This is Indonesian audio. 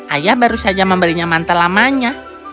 ayah baru saja memberinya manta lamanya